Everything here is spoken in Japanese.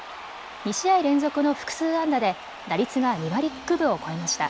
２試合連続の複数安打で打率が２割９分を超えました。